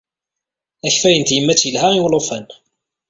Akeffay n tyemmat yelha i ulufan.